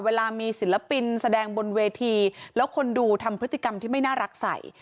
เวลามีศิลปินแสดงบนเวทีแล้วคนดูทำพฤติกรรมที่ไม่น่ารักใส่